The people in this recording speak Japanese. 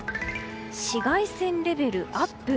紫外線レベルアップ。